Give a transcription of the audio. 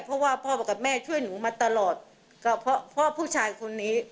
เพราะว่าพ่อกับแม่ช่วยหนูมาตลอดก็เพราะผู้ชายคนนี้